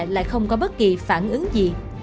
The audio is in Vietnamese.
lại không có bất kỳ phản ứng gì